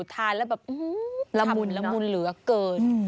ทานแล้วแบบละมุนละมุนเหลือเกิน